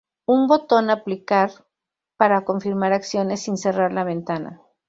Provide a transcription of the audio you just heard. Un botón Aplicar para confirmar acciones sin cerrar la ventana.